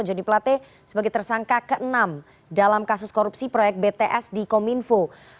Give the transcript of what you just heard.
joni plate sebagai tersangka ke enam dalam kasus korupsi proyek bts di kominfo